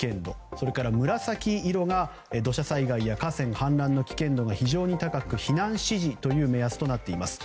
それから紫色が土砂災害や河川氾濫の危険度が非常に高く、避難指示という目安となっています。